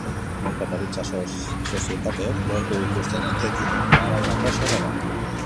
Merkataritza-sozietateek lortu dituzten etekinen araberako zorra da.